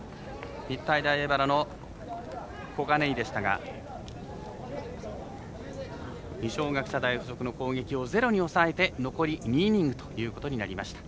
日体大荏原の小金井でしたが二松学舎大付属の攻撃をゼロに抑えて残り２イニングとなりました。